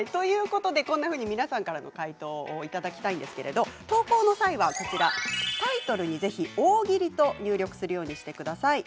こんなふうに皆さんからの回答をいただきたいんですけれど投稿の際はタイトルにぜひ大喜利と入力するようにしてください。